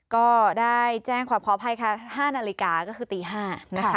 ก็ได้แจ้งความขออภัยค่ะ๕นาฬิกาก็คือตี๕นะคะ